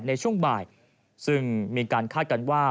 ในช่วงบ่ายซึ่งมีการคาดกันว่า